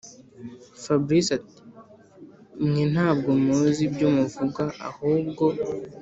fabric ati”mwe ntabwo muzi ibyo muvuga ahubwo